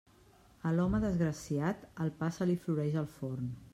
A l'home desgraciat, el pa se li floreix al forn.